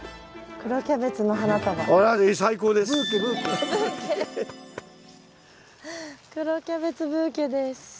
黒キャベツブーケです。